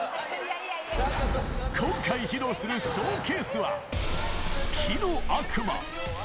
今回、披露するショーケースは、木の悪魔。